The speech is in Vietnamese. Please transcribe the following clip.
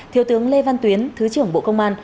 thiếu tướng lê văn tuyến thứ trưởng bộ công an